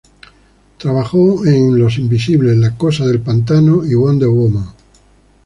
Trabajó en "Los Invisibles", "La Cosa del Pantano" y "Wonder Woman".